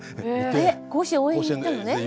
えっ甲子園応援に行ったのね。